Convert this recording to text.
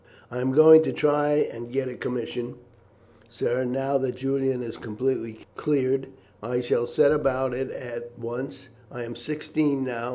"I am going to try and get a commission, sir, now that Julian is completely cleared. I shall set about it at once. I am sixteen now.